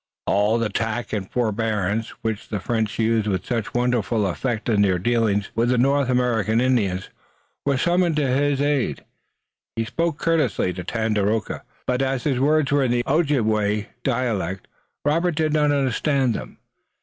All the tact and forbearance which the French used with such wonderful effect in their dealings with the North American Indians were summoned to his aid. He spoke courteously to Tandakora, but, as his words were in the Ojibway dialect, Robert did not understand them.